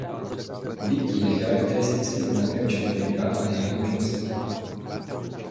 Bytí je charakteristickým znakem člověka a jeho možností.